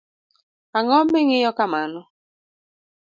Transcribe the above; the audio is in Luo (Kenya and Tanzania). Ango mingiyo kamano .